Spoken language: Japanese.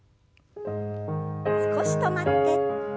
少し止まって。